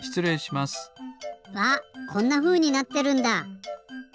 わっこんなふうになってるんだ！